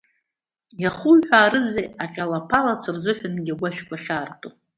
Иахуҳәаарызеи аҟьалаԥалацәа рзыҳәангьы агәашәқәа ахьаарту?